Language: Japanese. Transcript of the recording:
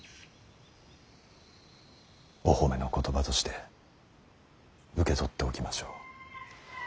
お褒めの言葉として受け取っておきましょう。